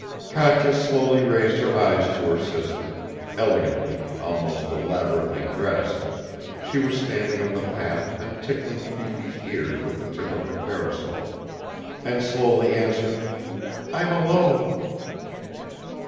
Katya slowly raised her eyes to her sister (elegantly, almost elaborately dressed, she was standing on the path and tickling Fifi's ears with the tip of her parasol) and slowly answered, "I'm alone."